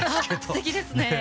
すてきですねえ。